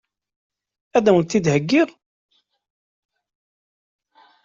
Ad wen-t-id-heggiɣ?